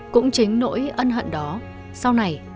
cũng chính nỗi ân hận đó sau này